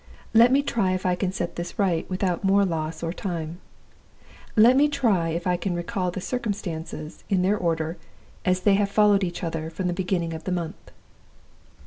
Let me try if I can set this right without more loss of time; let me try if I can recall the circumstances in their order as they have followed each other from the beginning of the month.